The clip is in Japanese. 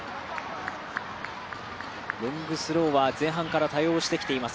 ロングスローは前半から多用してきています